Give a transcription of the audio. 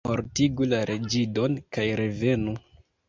Mortigu la reĝidon kaj revenu!